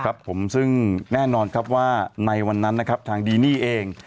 ครับผมซึ่งแน่นอนครับว่าในวันนั้นนะครับทางดีนี่เอง